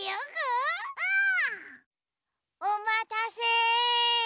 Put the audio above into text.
おまたせ！